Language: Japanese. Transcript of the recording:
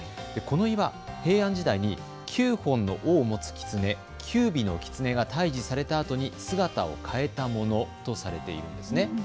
この岩、平安時代に９本の尾を持つキツネ、九尾の狐が退治されたあとに姿を変えたものとされているんです。